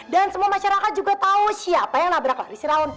dan semua masyarakat juga tahu siapa yang nabrak lari si rawun